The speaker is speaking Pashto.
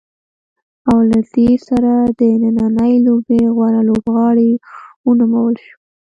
او له دې سره د نننۍ لوبې غوره لوبغاړی ونومول شو.